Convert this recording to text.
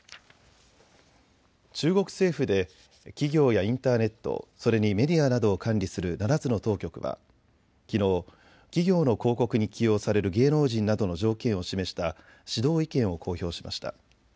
中国政府で企業やインターネット、それにメディアなどを管理する７つの当局はきのう企業の広告に起用される芸能人などの条件を示した指導意見を公表しました。